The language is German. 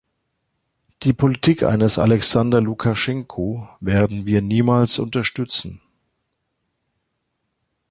Die Politik eines Alexander Lukaschenko werden wir niemals unterstützen.